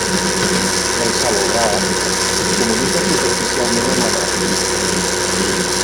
El salobrar es comunica superficialment amb la mar.